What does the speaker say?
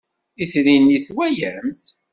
Itri-nni twalam-t?